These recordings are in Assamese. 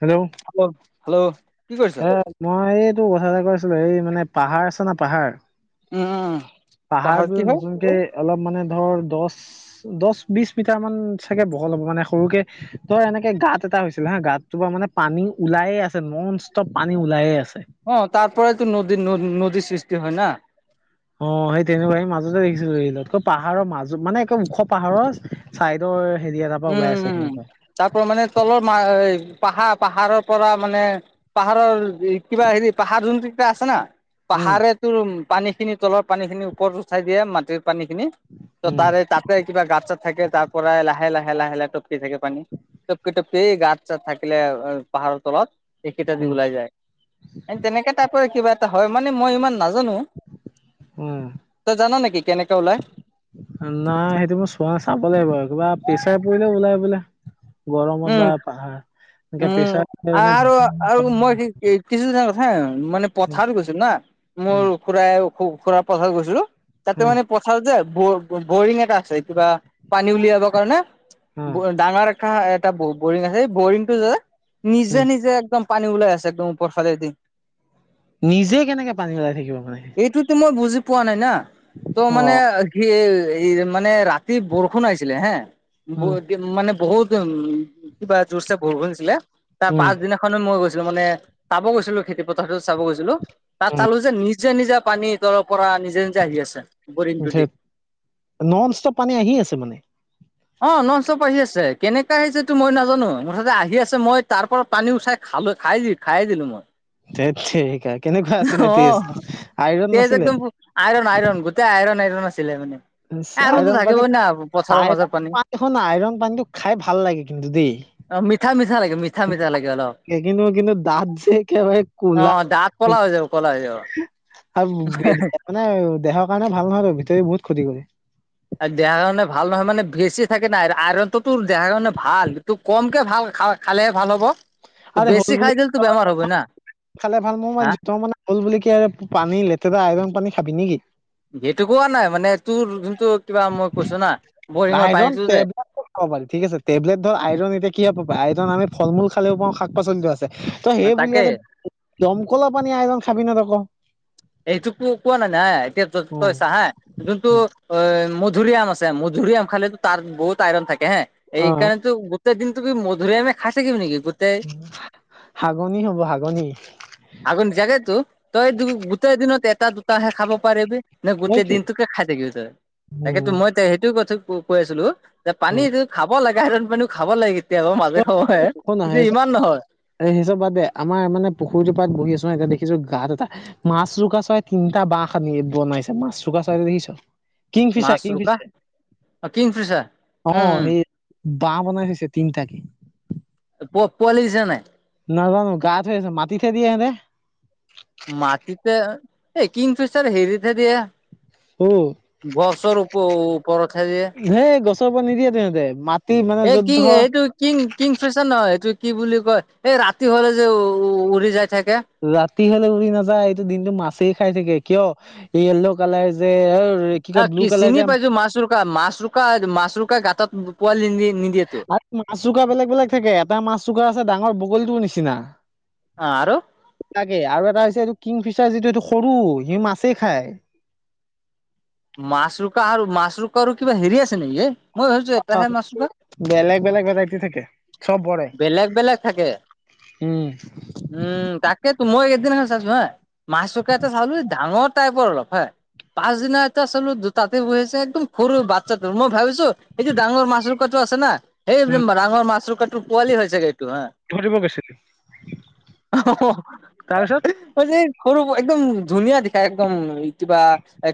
হেল্ল', হেল্ল', হেল্ল', কি কৰিছ এ মই এইটো কথা এটা কৈ কৈছিলো এই মানে পাহাৰ আছে ন' পাহাৰ? উম, উম, পাহাৰ পাহাৰত কি বোলে হয় নতুনকে অলপ মানে ধৰ দছ দছ, বিছ মিটাৰ মান চাগে বহল হ'ব মানে সৰুকে তই এনেকে গাঁত এটা হৈছিল হা গাঁতটো পা মানে পানী ওলায়ে আছে নন ষ্টপ পানী ওলায়ে আছে। অ, তাৰপৰাইতো নদী-নদ-নদী সৃষ্টি হয় না। অ, সেই তেনেকুৱা সেই মাজতে দেখিছিলো এইবিলাক ত ' পাহাৰৰ মাজত মানে একে ওখ পাহাৰৰ চাইদৰ হেৰি আ তাৰপা উম, ওলাই আছে উম, তেনেকোৱা। তাৰ পৰা মানে তলৰ [unintelligible] পাহাৰ -পাহাৰৰ পৰা মানে পাহাৰৰ কিবা হেৰি পাহাৰ যোন [unintelligible] আছে না উম পাহাৰে তোৰ পানী খিনি তলৰ পানী খিনি ওপৰত উঠাই দিয়ে মাটিৰ পানী খিনি। ত' উম তাৰে তাতে কিবা গাত চাত থাকে তাৰ পৰাই লাহে - লাহে হে লাহে -লাহে টপকি থাকে পানী টপকি- টপকি এই গাত চাত থাকিলে পাহাৰৰ তলত এইকেইটা দি উম ওলাই যায় এ তেনেকে টাইপৰে কিবা এটা হয় মানে মই ইমান নাজানো উম তই জানা নেকি কেনেকে ওলায়? হনাই সেইটো মোৰ চোৱা চাব লাগিব কিবা প্ৰেছাৰ পৰিলে ওলাই বোলে। গৰমত উম বা পাহাৰ এনেকে প্ৰেছাৰ [unintelligible] এই কিছুদিন আগত হা মানে উম, পথাৰত গৈছো না মোৰ উম, খুৰাই- খু-খুৰা পথাৰত গৈছিলো তাতে উম, মানে পথাৰত যে বৰিং এটা আছে। কিবা পানী উলিয়াব কাৰণে উম, ডাঙাৰ এখা এটা ব -বৰিং আছে সেই বৰিংটো যে নিজে উম, নিজে একদম পানী ওলাই আছে একদম ওপৰ ফালে দি। নিজে কেনেকে পানী ওলাই থাকিব পাৰে। এইটোৱেতো মই বুজি পোৱা নাই না ত' মানে অ', ঘেই এই মানে ৰা অতি বৰষুণ আহিছিলে হে, উম, বহুত মানে বহুত উম কিবা জোৰছে বৰষূণ দিছিলে, তাৰ উম, পাচদিনা মই গৈছিলো মানে চাব গৈছিলো খেতি পথাৰতো চাব গৈছিলো, তাত উম, চালো যে নিজ নিজে-নিজে পানী তলৰ পৰা নিজে-নিজে আহি আছে বৰিং টো ধেৎ দি। নন ষ্টপ পানী আহি আছে মানে। অ, নন ষ্টপ আহি আছে, কেনেকে আহিছে টো মই নাজানো, মুঠতে আহি আছে মই তাৰ পৰা পানী উঠাই খালো খাই দি খাই দিলো মই। ধেত তেৰিকা কেনেকুৱা আছিলে টেষ্ট, আইৰন নাছিলে? আইৰন-আইৰণ গোটেই আইৰন-আইৰণ আছিলে মানে। আইৰণতো থাকিবই না পথাৰৰ মাজত। পানীখন আইৰণ পানীটো খাই ভাল লাগে কিন্তু দেই। অ, মিঠা-মিঠা লাগে মিঠা-মিঠা লাগে অলপ। এ কিন্তু-কিন্তু দাঁত যে একেবাৰে অ কোলা। দাঁত ক'লা হৈ যাব ক'লা হৈ যাব আৰু মানে দেহৰ কাৰণে ভাল নহয় বাৰু ভিতৰি বহুত ক্ষতি কৰে। আৰু দেহাৰ কাৰণে ভাল নহয় মানে বেছি থাকে না, আইৰণটো তোৰ দেহাৰ কাৰণে ভালএইটোক কমকে ভাল খালেহে ভাল হ'ব, আৰে ত হ'ল বেছি বুলি খাই দিলতো বেমাৰ হবই না। খালে ভাল মোৰ হা মান জোতৰ মানে হ'ল বুলি কে আৰু পানী লেতেৰা আইৰন পানী খাবি নেকি? সেইটো কোৱা নাই, মানে তোৰ যোনটো কিবা মই কৈছো না বৰিঙৰ আইৰন পানীটো যে টেবলেট খাব পাৰি ঠিক আছে টেবলেট ধৰ আইৰণ এতিয়া কি পাবা আইৰণ আমি ফল-মূল খালেও পাও শাক-পাচলিতো কৰে আছে। তই সেই তাকে বুলিয়ে যে দমকলৰ পানী আইৰন খাবি নে তই ক? এইটোকটো কোৱা নাই না এতিয়া অ তইছা হে যোনতটো অ, মধুৰিআম আছে মধুৰিআম খালে তাৰ বহুত আইৰন থাকে হে। অ এইকাৰণেতো গোটেই দিন তুমি মধুৰিয়ামে আমি খাই থাকিবি নেকি? গোটেই হাগনি হ'ব হাগনি। হাগনি জানেতো তই দু গোটেই দিনত এটা, দুটাহে খাব পাৰিবি। ন গোটেই সেইটোৱে দিনটোকে খাই থাকিবি তই? তাকেতো উম মই সেইটো কথা কৈ আছিলো। যে উম পানীটো খাব লগা হেতেন কিন্তু খাব লাগে কেতিয়াবা মাজে সময়ে, কিন্তু ইমান নহয়। আৰে সেই চব বাদ দে আমাৰ মানে পুখুৰীটো পাৰত বহি আছো, আ দেখিছো গাত এটা মাছৰোকা চৰাই তিনিটা বাহ সানি বনাইছে, মাছৰোকা চৰাই দেখিছ? কিং মাছ ফিচাৰ-কিং ৰোকা ফিচাৰে কিংফিচাৰ অ, উম সেই বাহ বনাই থৈছে তিনিটাকে। প-পোৱালি দিছে নাই? নাজানো গাত থৈ আছে মাটিহে দিয়ে হেতে। মাটিতে এই কিংফিচাৰে হেৰিত হে দিয়ে। ওহ গছৰ উ-উপৰতহে দিয়ে। সেই গছৰ ওপৰত নিদিয়েতো এহেতে মা এ কিং এইটো কিং-কিং ফিচাৰ নহয়, এটো কি বুলি কয়? এই ৰাতি হ'লে যে, উৰি যাই থাকে। ৰাতি হ'লে উৰি নাযায়, এইটো দিনটো মাছেই খাই থাকে। কিয় য়লৌ কালাৰ যে অ, ৰে এ কি চিনি পাইছো মাছৰোকা-মাছৰোকা-মাছৰোকা গাঁতত পোৱালি নি-নিদিয়েতো। মাছৰোকা বেলেগ-বেলেগ থাকে। এটা মাছৰোকা আছে ডাঙৰ বগলীটোৰ নিচিনা। অ, আৰু লাগে আৰু এটা হৈছে এইটো কিংফিচাৰ যিটো, এইটো সৰু সি মাছেই খায়। মাছৰোকা আৰু-মাছৰোকা আৰু কিবা হেৰি আছে নেকি এ? মই ভাবিছো অ এটাহে মাছৰোকা? বেলেগ বেলেগ ভেৰাইটি থাকে চব বৰে বেলেগ-বেলেগ থাকে। উম, উম, তাকেতো মই সেইদিনাখন চাইছো হা, মাছৰোকা এটা চালো ডাঙৰ টাইপৰ অলপ হা, পাছদিনা দুটা চালো তাতে বহি আছে, একদম সৰু বাচ্ছাটো মই ভাবিছো এইটো ডাঙৰ মাছৰোকাতো আছে না। এই যে উম, ডাঙৰ মাছৰোকটো পোৱালি হয় চাগে এইটো হা ধৰিব গৈছিলি? তাৰপিছত [unintelligible] [unintelligible] যে সৰু একদম ধুনীয়া দিখা একদম কিবা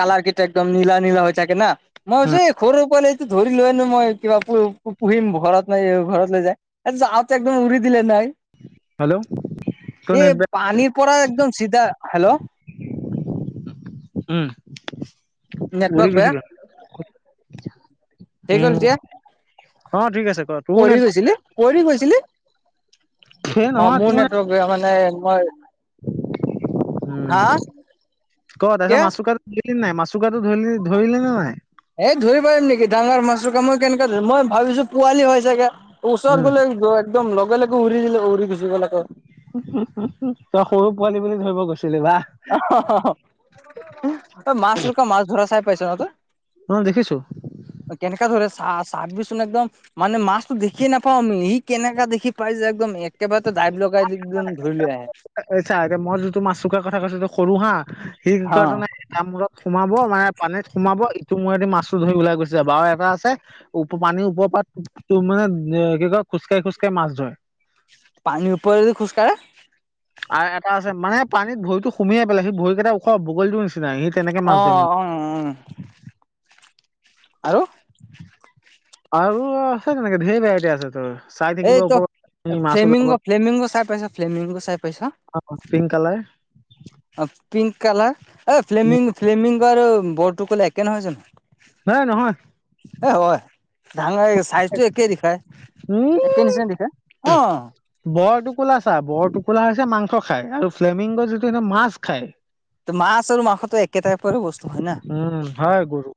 কালাৰ কেই যে একদম নীলা-নীলা হৈ থাকে না মই ভাবিছো উম এই সৰু পোৱালি ধৰি লৈ আনো মই কিবা [unintelligible] পুহিম ঘৰত নাই ঘৰত লৈ যায়। এ যাওতে একদম উৰি দিলে নাই। হেল্ল' তোৰ এ নেট বেয়া পানীৰ পৰা একদম চিধা হেল্ল', [unintelligible] উম, নেটৱৰ্ক পৰি বেয়া গৈছিলা ক'ত হৈ গ'ল এতিয়া উম, অ, ঠিক আছে কৰ। পৰি গৈছিলে-পৰি সেই গৈছিলে-অ, নহয় মোৰ তোৰ নে নেটৱৰ্ক। কিয় মানে মই উম হা ক তাৰপিছত কিয়া? মাচুকাটো ধৰিলি নাই মাছুৰোকাতো ধৰিলি -ধৰিলি নে নাই? এই ধৰি পাৰিম নেকি ডাঙৰ মাছৰোকা মই কেনেকে ধৰিম? মই ভাবিছোঁ পোৱালি হয়। জেগা ওচৰত উম গ'লে [unintelligible] একদম লগে-লগে উৰি দিলে উৰি গুচি গ'ল আকৌ। [unintelligible] তই সৰু পোৱালি বুলি ধৰিব গৈছিলি বাহ। [unintelligible] অই মাছৰোকা, মাছ ধৰা চাই পাইছ ন' তই? অ, দেখিছোঁ। অ, কেনেকা ধৰে চাহ-চাবিচোন একদম মানে মাছটো দেখিয়ে নাপাওঁ অমলি কেনেকা দেখি পাই যে একদম একেবাৰতে দাইব লগাই যে একজন ধৰি লৈ আহে। এই ছাঁ এতিয়া মই যিটো মাছৰোকা কথা কৈছোঁ এইটো সৰু হা সি কি হা কয় তাৰমানে কাম মূৰত সোমাব মানে পানীত সোমাব ইটো মূৰেদি মাছটো ধৰি ওলাই গুচি যাব আৰু এটা আছে ওপ পানীৰ ওপৰৰ পাত তোৰ মানে কি কয় খোজকাঢ়ি-খোজকাঢ়ি মাছ ধৰে। পানীৰ ওপৰেদি খোজ কাঢ়ে? আৰ এটা আছে মানে পানীত ভৰিতো সুমিয়ে পেলাই সি ভৰিকেইটা ওখ বগলীটোৰ নিচিনা সি তেনেকে মাছ ধৱে মানে। উম, আৰু আৰু আছে তেনেকে ঢেৰ ভেৰাইটি আছে তোৰ চাই এই থাকিব ত ওপৰ ফ্লেমিংগ- ফ্লেমিংগ চাই পাইছা ফ্লেমিংগ চাই পাইছা? পিংক কালাৰ অ, পিংক কালাৰ এ ফ্লেমিং-ফ্লেমিংগ আৰু বৰটোকোলা একে নহয় জানো? হে নহয়। এ হয় ধাঙাই এই চাইজটো একেই দিখাই। এক নিচিনা দেখে অ। বৰটোকোলা চা বৰটোকোলা হৈছে মাংস খায় আৰু ফ্লেমিংগ যিটো সিটো মাছ খায়। তে মাছ আৰু মাংসটো একে টাইপৰে বস্তু হয় না? উম হয় গৰু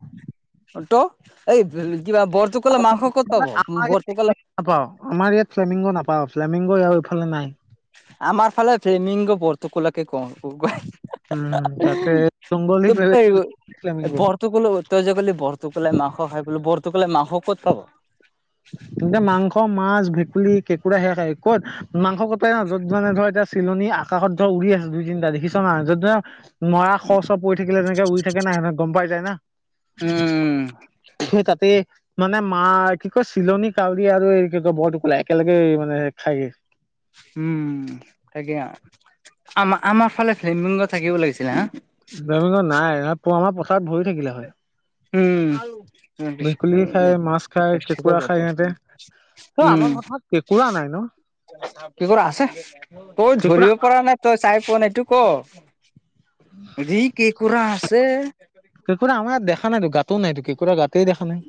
অ, ত'এই কিবা বৰটোকোলা মাংস ক'ত পাব? বৰটোকোলা নাপাওঁ আমাৰ ইয়াত ফ্লেমিংগ নাপাওঁ ফ্লেমিংগ ইয়াৰ এইফালে নাই। আমাৰ ফালে ফ্লেমিংগ বৰটোকোলাকে কও- কও [unintelligible] উম, তাকে জংঘলি এই [unintelligible] ফ্লেমিংগ। [unintelligible] তই যে কলি বৰটোকোলাই মাংস খাই বুলি বৰটোকোলাই মাংস ক'ত পাব? এন্তে মাংস, মাছ, ভেকুলী, কেঁকুৰা সেয়া খাই ক'ত মাংস কটই না য'ত মানে ধৰ এতিয়া চিলনী আকাশত ধৰা উৰি আছে দুই, তিনিটা দেখিছ নাই য'ত ধৰা মৰা শ চ পৰি থাকিলে তেনেকে উৰি থাকে না [unintelligible] গম পাই যায় না উম সেই তাতে মানে মা কি কচ চিলনী, কাউৰী আৰু এই কি কয় বৰটোকোলাই একেলগে মানে খাইগে। উম, তাকে আৰ আমা -আমাৰ ফালে ফ্লেমিংগ থাকিব লাগিছিলে হা। যোৱা বছৰ নাই [unintelligible] আমাৰ পথাৰত ভৰি থাকিলে হয়। উম ভেকুলী খায়, মাছ খায়, কেঁকুৰা খায় এহঁতে এ আমাৰ পথাত কেঁকোৰা নাই ন? কেঁকোৰা আছে তই কেঁকুৰা ধৰিব পাৰা নাই। তই চাই পোৱা ন এইটো ক, যি কেঁকোৰা আছে। কেঁকোৰা আমাৰ ইয়াত দেখা নাইতো গাতও নাইতো কেঁকোৰা গাতেই দেখা নাই।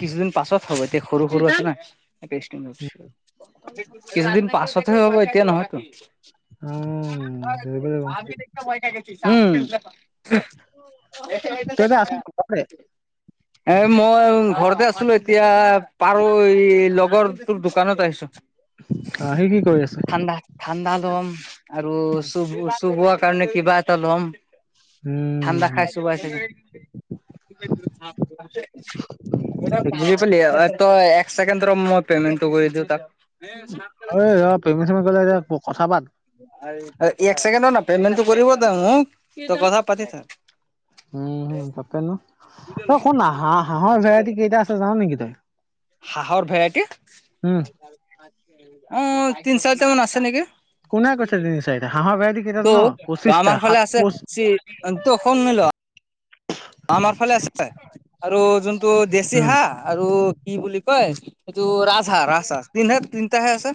কিছুদিন পাছত হব এয়া সৰু-সৰু আছে ন। কিছুদিন পাছতহে হ'ব এতিয়া নহয় তো। উম ধৰিব লাগিব উম, ওহ। তই এতিয়া আছ ঘৰতে [unintelligible] এ মই ঘৰতে আছিলো এতিয়া পাৰ হৈ লগৰ তোৰ দোকানত আহিছো। অ, সি কি কৰি আছে? ঠাডা-ঠাণ্ডা ল'ম আৰু চু-চুবোৱাৰ কাৰণে কিবা এটা ল'ম। ঠাণ্ডা উম খাই চোবাই ছাগে। বুজি পালি তই একচেকেণ্ড ৰ মই পেমেণ্টটো কৰি দিও তাক। গ'লে যে প [unintelligible] কথা পাত। এক চেকেণ্ড না পেমেণ্টটো কৰিব ত মোক ত কথা পাতি থাক উম, হম তাপেন অ, শুন হাঁ-হাঁহৰ ভেৰাইটি কেইটা আছে জান নেকি তই? হাঁহৰ ভেৰাইটীচ উম অ, তিনি চাৰিটামান আছে নেকি? কোনে কৈছে তিনি চাৰিটা হাঁহৰ ভেৰাইটি কেইটা ত জান পঁচিছটা আমাৰ সাত ফালে আছে পচ স ত শুনি ল। আমাৰ ফালে আছে আৰু যোনটো দেশী উম হাঁহ আৰু কি বুলি কয় এইটো ৰাজহাঁহ ৰাজহাঁহ তিনটাহে আছে।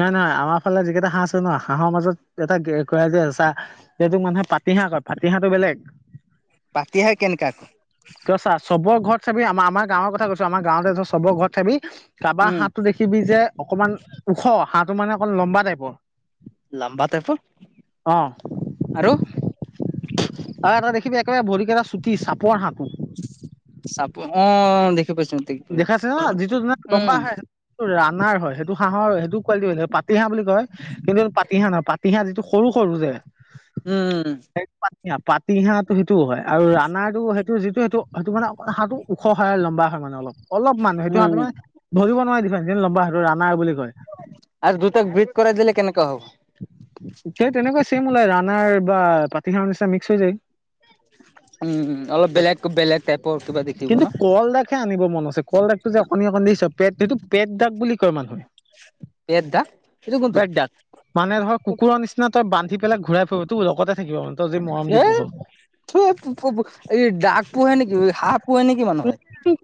নাই-নাই আমাৰ ফালে যিকেইটা হাঁহ আছে ন হাঁহৰ মাজত এটা ক যে চাহ এইটোক মানুহে পাতিহাঁহ কয় পাতিহাঁহটো বেলেগ পাতিহাঁহ কেনেকা? ত চাৰ চবৰ ঘৰত চাবি আমাৰ-আমাৰ গাঁৱৰ কথা কৈছো আমাৰ গাঁৱতে চবৰ ঘৰত চাবি কাৰোবাৰ উম হাঁহ দেখিবি যে অকণমান ওখ হাঁহটো মানে অক লম্বা টাইপৰ। লম্বা টাইপত অ আৰু আৰু এটা দেখিবি একেবাৰে ভৰিকেইটা চুটি চাপৰ হাহঁ। চাপ অহ, দেখি পাইছো দেখি পাইছো দেখাইছে ন যিটো লম্বা উম হয়টো ৰানাৰ হয় সেইটো হাঁহৰ সেইটো পোৱালি হৈ যে পাতি হাঁহ বুলি কয় কিন্তু পাতি হাঁহ নহয় পাতি হাঁহ যিটো সৰু-সৰু যে উম, পাতি হাঁহ-পাতি হাঁহ সেইটো-সেইটোও হয় আৰু ৰানাৰ টো সেইটো যিটো সেইটো সেইটো মানে হহটো ওখ খ হয়ে লম্বা হয় মানে অল-অলপ মানুহ সেইটো হহটো উম মানে ধৰিব নোৱাৰে দিফ লম্বা হয় আৰু ৰাণাৰ বুলি কয়। আৰু দুটাক ব্ৰিড কৰাই দিলে কেনেকা হ'ব সেই তেনেকুৱা ছেম ওলাই ৰানাৰ বা পাতি হাঁহ নিচিনা মিক্স হৈ যায়। উম, অলপ বেলেগ-বেলেগ টাইপৰ কিবা দেখিব ন। কে আনিব মন আছে কল দাগটো যে অকণি অকণ দি পেট সেইটো পেট দাগ বুলি কয় মানুহে। পেট দা এইটো কোনতো? পেকদাক মানে ধৰ কুকুৰৰ নিচিনা তই বান্ধি পেলাই ঘূৰাই ফুৰতো, লগতে থাকিব মানে তই যি মৰম দি পোহ। থুঁ এই বোৰ দাগ পোহে নেকি হাঁহ পোহে নেকি মানুহে?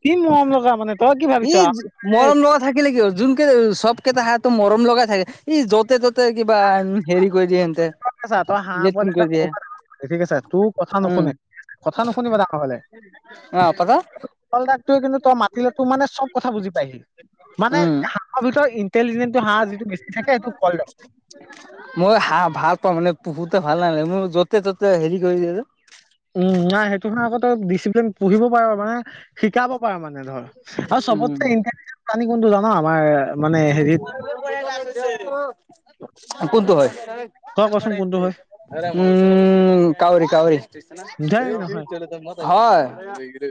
কি মৰম লগা মানে তই কি ভাবিছ ই চা মৰম লগা থাকিলে কিয় যোনকে চব কেইটা হাহঁ মৰম লগাই থাকে ই য'তে ত'তে তাতে কিবা হেৰি কৰি দিয়ে এন্ত লেট্ৰিন কৰি দিয়ে। একে-একে চাই তোৰ কথা উম নুশুনে কথা নুশুনিবা ডাঙৰ হলে। অ পাতা তল দাকটোৱে কিন্তু তই মাতিলে তো মানে চব কথা বুজি পাই সি। মানে উম হাঁহৰ ভিতৰত ইণ্টেলিজেন্টো হাঁহ যিটো বেছি থাকে সেইটো কয়লাৰ। মই হাহঁ ভাল পাওঁ মানে পোহোতে ভাল নালাগে মোৰ য'তে ত'তে হেৰি কৰি যে। উম, নাই সেইটো হাহঁ আকৌ ডিচিপ্লিন পোহিব পাৰ মানে শিকাব পাৰ মানে ধৰ। আৰু চবছে উম ইণ্টেলিজেণ্ট প্ৰাণী কোনটো জান আমাৰ মানে হেৰিত কোনটো হয়। উম, তই কচোন কোনটো হয় কাৱৰি-কাৱৰি। ধেই নহয়। [unintelligible] হয়।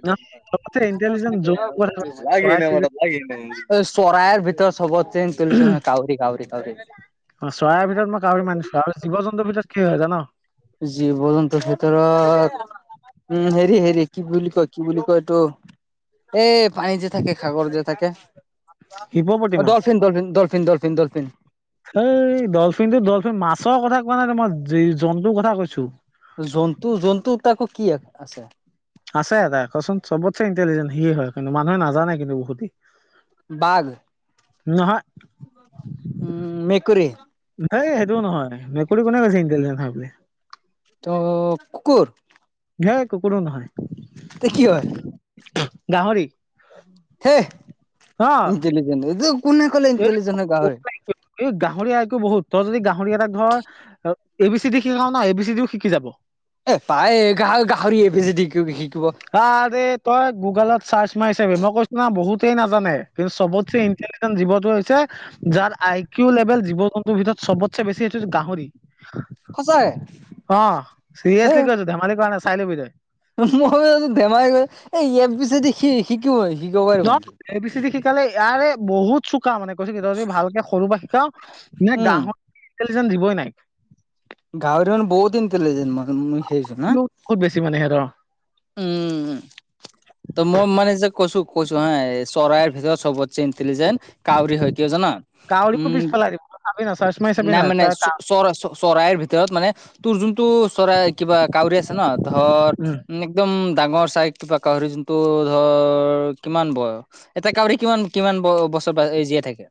অ, চবতছে ইণ্টেলিজেণ্ট জন্তু কথা ক চৰায়ে চৰাই চিৰিকটি ভিতৰত [unintelligible] [unintelligible] কাউৰি-কউৰি-কউৰি। অহ, চৰাই ভিতৰত মই কাউৰি মানিছো আৰু জীৱ জন্তুৰ ভিতৰত কি হয় জান? জীৱ জন্তু ভিতৰত উম, হেৰি-হেৰি কি বুলি কয়-কি বুলি কয় এইটো? এই পানী যে থাকে সাগৰ যে থাকে। হিপপতি অহ, মাছ। ডলফিন-ডলফিন-ডলফিন-ডলফিন-ডলফিন। এই ডলফিনটো-ডলফিন মাছৰ কথা কোৱা নাই মই জী জন্তুৰ কথা কৈছো। জন্তু-জন্তু তাকো কি আছে? আছে এটা কচোন চবতে ইণ্টেলিজেণ্ট সি হয় কিন্তু মানুহে নাজানে কিন্তু বহুতি। বাঘ। নহয়। উম, মেকুৰী। হেই সেইটোও নহয় মেকুৰী কোনো কৈছে ইণ্টেলিজেণ্ট হয় বুলি। তো কুকুৰ। ঘে কুকুৰো নহয়। তে কি হয়? গাহৰি হে, অ ইন্টেলিজেন্ট এইতো কোনে কলে এই ইন্টেলিজেন্ট গাহৰি। এই গাহৰি আইতো বহুত তই যদি গাহৰি এটা ধৰ এ বি চি দিও শিকাও না এ বি চি দিও শিকি যাব। এ পায় এ গাহৰি-গাহৰি এ বি চি দি কিয় নিশিকিব। আৰে তই গুগলত ছাৰ্চ মাৰি চাবি মই কৈছো না বহুতেই নাজানে কিন্তু চব চে ই ইন্টেলিজেন্ট জীৱতো হৈছে যাৰ আই কিউ লেভেল জীৱ জন্তুৰ ভিতৰত চবতে বেছি সটো গাহৰি। সঁচাই অ, হে চিৰিয়াছলি কৈছো ধেমালি কৰা নাই চাই লবি তই। মই বেমাৰি গৈ এই ইয় এ বি সি দি শিকো শিকিব ন পাৰিব নেকি। [unintelligible] এ বি চি দি শিকালে ইয়াৰে বহুত চোকা মানে। তই যদি নিজৰে ভালকে সৰু বা শিকাও নে উম গাহৰি ইন্টেলিজেন্ট [unintelligible] জীৱই নাই। গাহৰি দেখোন বহুত ইন্টেলিজেন্ট মানে সেইতো না। ক'ত বেছি মানে হেতঁৰ। উম, ত মই মানে যে কৈছো-কৈছো হা চৰাইৰ ভিতৰত চবতছে ইন্টেলিজেন্ট কাউৰী হয় কিয় জানা? ‌উম আবে অ, ছাৰ্চ নাই মানে চ-চ চৰ-চৰাইৰ ভিতৰত মানে তোৰ যোনটো চৰাই কিবা কাউৰী আছে ন ধৰ উম একদম ডাঙৰ চাই কিবা কাউৰি যোনটো ধৰ কিমান বয়স এতিয়া কাউৰী কিমান-কিমান ব-বস্তু ত'জীয়াই থাকে,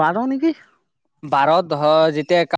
বাৰ নেকি বাৰ ধৰ যেতিয়া কা